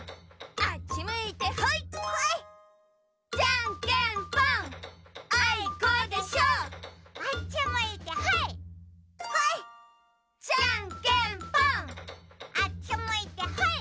あっちむいてほい！